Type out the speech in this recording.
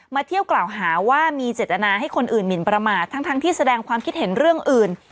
เที่ยวกล่าวหาว่ามีเจตนาให้คนอื่นหมินประมาททั้งที่แสดงความคิดเห็นเรื่องอื่น